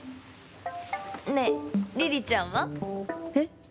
ねえ梨々ちゃんは？えっ？